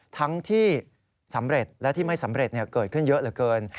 ทั้งที่สำเร็จและที่ไม่สำเร็จเกิดขึ้นเยอะเหลือเกิน